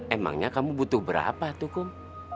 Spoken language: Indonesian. emangnya kamu butuh berapa tuh kum